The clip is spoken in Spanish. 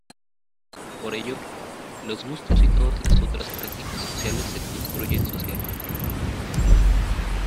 Por ello, los gustos y todas las otras prácticas sociales se construyen socialmente.